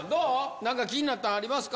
なんか気になったのありますか？